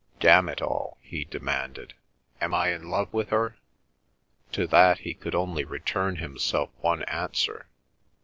"Damn it all!" he demanded, "am I in love with her?" To that he could only return himself one answer.